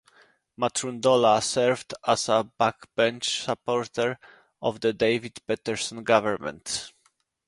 Matrundola served as a backbench supporter of the David Peterson government.